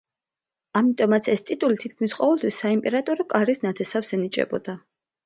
ამიტომაც, ეს ტიტული თითქმის ყოველთვის საიმპერატორო კარის ნათესავს ენიჭებოდა.